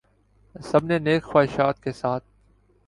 سب نے نیک خواہشات کے ساتھ